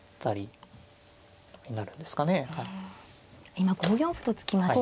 今５四歩と突きました。